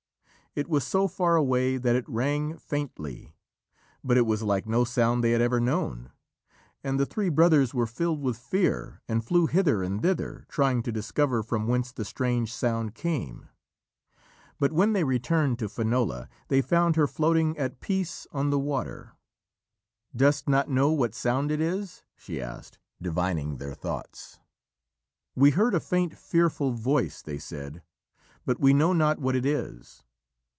It was so far away that it rang faintly, but it was like no sound they had ever known, and the three brothers were filled with fear and flew hither and thither, trying to discover from whence the strange sound came. But when they returned to Finola, they found her floating at peace on the water. "Dost not know what sound it is?" she asked, divining their thoughts. "We heard a faint, fearful voice," they said, "but we know not what it is."